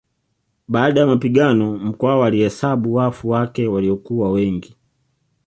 Baada ya mapigano Mkwawa alihesabu wafu wake waliokuwa wengi